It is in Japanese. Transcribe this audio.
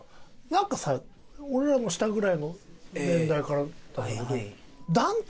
なんかさ俺らの下ぐらいの年代からだろうけど。